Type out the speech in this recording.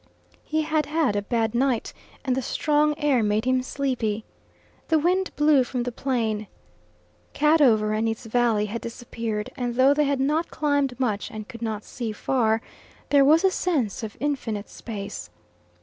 He had had a bad night, and the strong air made him sleepy. The wind blew from the Plain. Cadover and its valley had disappeared, and though they had not climbed much and could not see far, there was a sense of infinite space.